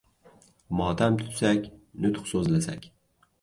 Motam tutsak, nutq so‘zlasak!